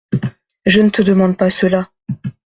Je ne te demande pas cela.